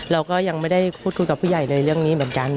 เราก็ยังไม่ได้พูดคุยกับผู้ใหญ่ในเรื่องนี้เหมือนกัน